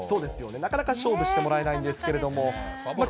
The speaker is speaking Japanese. なかなか勝負してもらえないんですけれども。